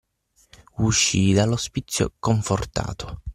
Uscii dall'ospizio, confortato.